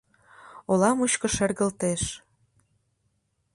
Ола мучко шергылтеш.